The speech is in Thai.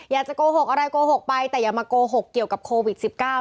อยากจะโกหกอะไรโกหกไปแต่อย่ามาโกหกเกี่ยวกับโควิด๑๙